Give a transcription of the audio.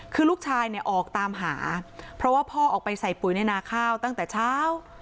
คือลูกชายเนี่ยออกตามหาเพราะว่าพ่อออกไปใส่ปุ๋ยในนาข้าวตั้งแต่เช้า